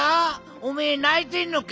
おめえないてんのけ？